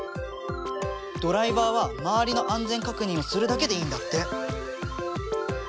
ドライバーは周りの安全確認をするだけでいいんだって。